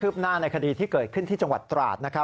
คืบหน้าในคดีที่เกิดขึ้นที่จังหวัดตราศนะครับ